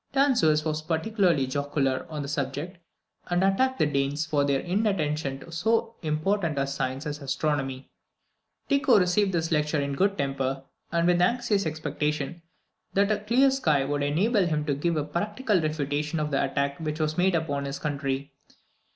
Danzeus was particularly jocular on the subject, and attacked the Danes for their inattention to so important a science as astronomy. Tycho received this lecture in good temper, and with the anxious expectation that a clear sky would enable him to give a practical refutation of the attack which was made upon his country.